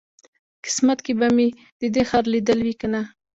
قسمت کې به مې بیا د دې ښار لیدل وي کنه.